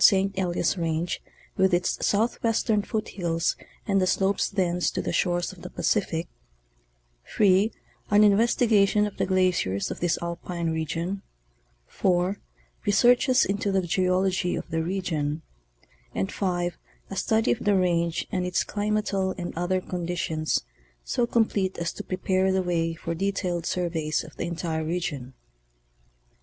St. Elias range with its southwestern foothills and the slopes thence to the shores of the Pacific ; (3) an inves tigation of the glaciers of this alpime region ; (4) researches into the geology of the region ; and (5) a study of the range and its climatal and other conditions so complete as to prepare the way for detailed surveys of the entire region.